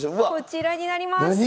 こちらになります。